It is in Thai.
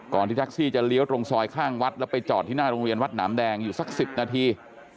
ที่แท็กซี่จะเลี้ยวตรงซอยข้างวัดแล้วไปจอดที่หน้าโรงเรียนวัดหนามแดงอยู่สัก๑๐นาที